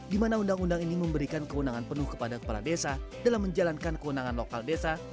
di mana undang undang ini memberikan kewenangan penuh kepada kepala desa dalam menjalankan kewenangan lokal desa